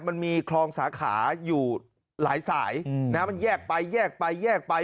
มันมีคลองสาขาอยู่หลายสายมันแยกไปแยกไปแยกไป